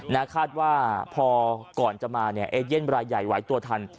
คาดว่าพอก่อนจะมาเนี่ยเอเย่นรายใหญ่ไหวตัวทัน